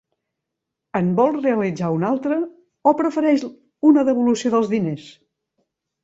En vol realitzar una altra o prefereix una devolució dels diners?